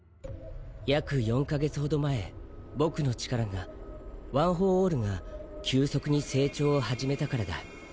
約４か月程前僕の力がワン・フォー・オールが急速に成長を始めたからだ。